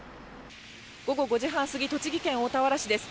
午後５時半過ぎ、栃木県大田原市です。